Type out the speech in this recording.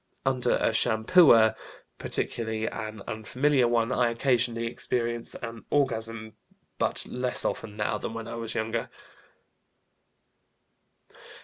Under a shampooer, particularly an unfamiliar one, I occasionally experience an orgasm, but less often now than when I was younger."